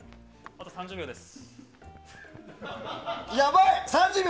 あと２０秒です。